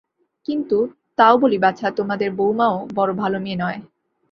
কিন্তু, তাও বলি বাছা, আমাদের বৌমাও বড় ভাল মেয়ে নয়।